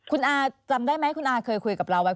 คุณอาจำได้ไหมคุณอาเคยคุยกับเราไว้